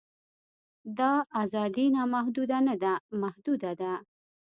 دا ازادي نامحدوده نه ده محدوده ده.